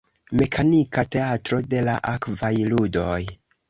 Mekanika teatro de la Akvaj Ludoj.